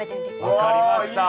分かりました。